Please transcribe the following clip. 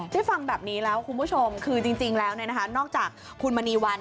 ได้ฟังแบบนี้แล้วคุณผู้ชมคือจริงแล้วนอกจากคุณมณีวัน